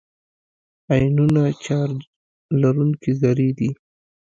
آیونونه چارج لرونکي ذرې دي.